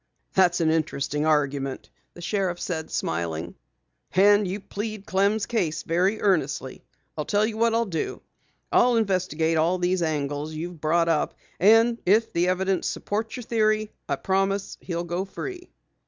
"That's an interesting argument," the sheriff said, smiling. "And you plead Clem's case very earnestly. I'll tell you what I'll do. I'll investigate all these angles you've brought up, and if the evidence supports your theory, I promise he'll go free."